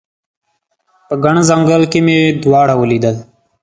په ګڼ ځنګل کې مې دواړه ولیدل